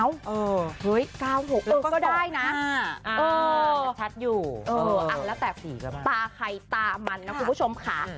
เออเฮ้ย๙๖ก็ได้นะเออชัดอยู่เอออ่าแล้วแต่ปลาไข่ตามันนะคุณผู้ชมค่ะ